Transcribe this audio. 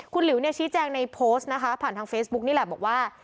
คุณหลิวเนี่ยชี้แจงในโพสต์นะคะผ่านทางเฟซบุ๊กนี่แหละบอกว่า